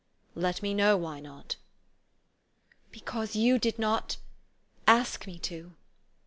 " Let me know why not." " Because you did not ask me to."